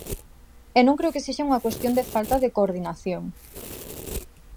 E non creo que sexa unha cuestión de falta de coordinación.